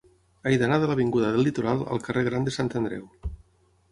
He d'anar de l'avinguda del Litoral al carrer Gran de Sant Andreu.